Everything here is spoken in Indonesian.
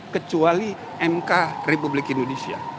kecuali mk republik indonesia